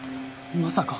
まさか！